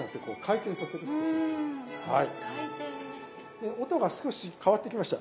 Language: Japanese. で音が少し変わってきました。